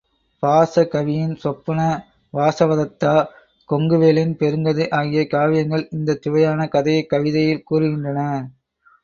பாஸ கவியின் சொப்பன வாசவதத்தா, கொங்குவேளின் பெருங்கதை ஆகிய காவியங்கள் இந்தச் சுவையான கதையைக் கவிதையில் கூறுகின்றன.